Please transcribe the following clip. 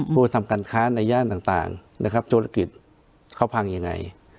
ผู้ทำการค้าในย่านต่างนะครับธุรกิจเขาพังยังไง